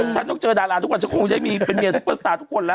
ฉันต้องเจอดาราทุกวันฉันคงได้มีเป็นเมียซุปเปอร์สตาร์ทุกคนแล้ว